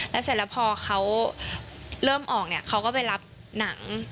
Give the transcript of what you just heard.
แล้วเสร็จแล้วพอเขาเริ่มออกเนี่ยเขาก็ไปรับหนัง